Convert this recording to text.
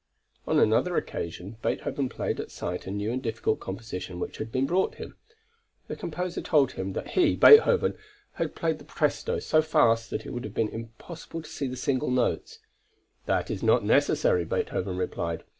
On another occasion, Beethoven played at sight a new and difficult composition which had been brought him. The composer told him that he (Beethoven), had played the Presto so fast that it would have been impossible to see the single notes. "That is not necessary," Beethoven replied.